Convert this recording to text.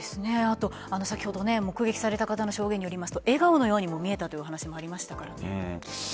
先ほど目撃された方の証言によると笑顔に見えたという話もありましたから。